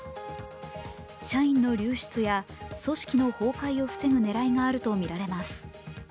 社員の流出や組織の崩壊を防ぐ狙いもあるとみられます。